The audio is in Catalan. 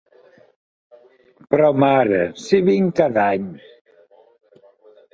Però mare, si vinc cada any!